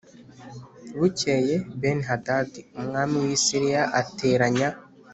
Bukeye Benihadadi umwami w i Siriya ateranya